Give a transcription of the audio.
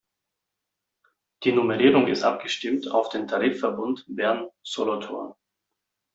Die Nummerierung ist abgestimmt auf den Tarifverbund Bern-Solothurn.